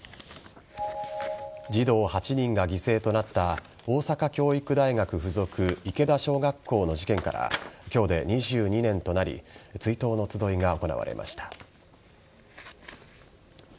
児童８人が犠牲となった大阪教育大学附属池田小学校の事件から今日で２２年となり追悼の集いが行われました。